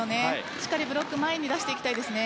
しっかりブロック前に出していきたいですね。